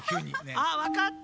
あっわかった！